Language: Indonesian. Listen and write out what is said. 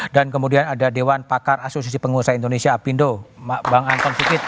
dan kemudian ada dewan pakar asosiasi penguasa indonesia apindo bang anton sukit